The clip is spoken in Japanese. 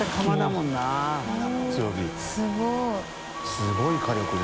すごい火力で。